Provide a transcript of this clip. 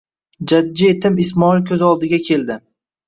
jajji yetim Ismoil ko'z oldiga keldi.